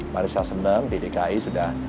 manusia seneng di dki sudah